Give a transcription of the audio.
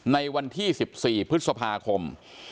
ในวันที่๑๔พฤษภาคม